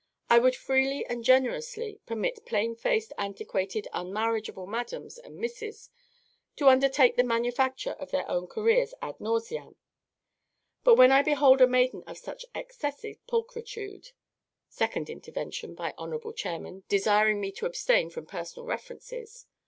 I would freely and generously permit plainfaced, antiquated, unmarriageable madams and misses to undertake the manufacture of their own careers ad nauseam; but when I behold a maiden of such excessive pulchritude (_Second intervention by Hon'ble Chairwoman desiring me to abstain from personal references.